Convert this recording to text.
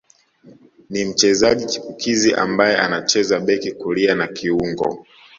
Ni mchezaji chipukizi ambaye anacheza beki kulia na kiungo